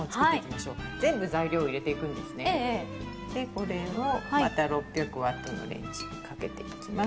これをまた６００Ｗのレンジにかけていきます。